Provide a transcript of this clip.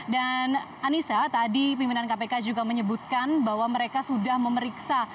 dan anissa tadi pimpinan kpk juga menyebutkan bahwa mereka sudah memeriksa